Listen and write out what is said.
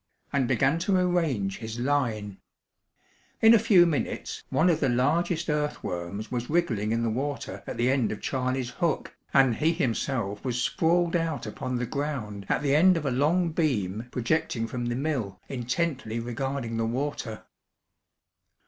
and began to arrange his line. In a few minutes one of the largest earthworms was wriggling in the water at the end of Charley's hook, and he himself was sprawled out upon the ground at the end of a long beam projecting from the mill intently regarding the water.